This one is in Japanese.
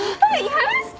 離して！